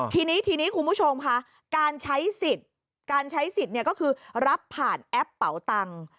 ทีนี้ทีนี้คุณผู้ชมค่ะการใช้สิทธิ์การใช้สิทธิ์เนี่ยก็คือรับผ่านแอปเป่าตังค์